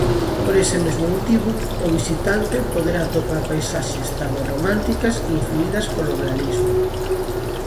Por ese mesmo motivo o visitante poderá atopar paisaxes tardorrománticas influídas polo realismo.